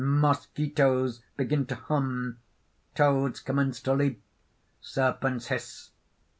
Mosquitoes begin to hum, toads commence to leap; serpents hiss.